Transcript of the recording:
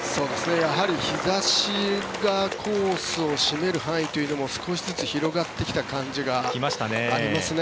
日差しがコースを占める範囲というのも少しずつ広がってきた感じがありますね。